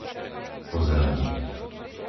Kozelník